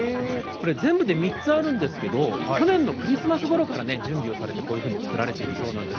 全部で３つあるんですけど、去年のクリスマス頃から準備をされて、こういうふうに造られているそうなんです。